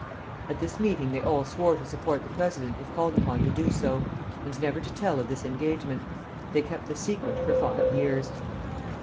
At this meeting they all swore to support the president if called upon to do so, and never to tell of this engagement. They kept the secret for five years.